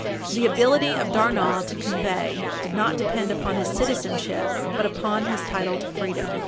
The ability of Darnall to convey did not depend upon his citizenship, but upon his title to freedom.